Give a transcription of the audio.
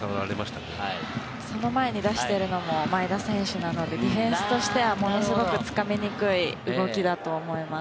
その前に出しているのも前田選手なので、ディフェンスとしてはものすごくつかみにくい動きだと思います。